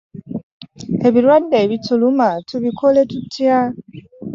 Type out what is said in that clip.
Ebirwadde ebituluma tubikole tutya?